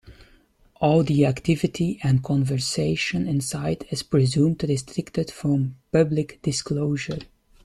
All of the activity and conversation inside is presumed restricted from public disclosure.